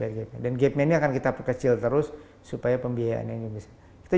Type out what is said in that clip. bayar gapnya dan gapnya ini akan kita kecil terus supaya pembiayaannya ini bisa kita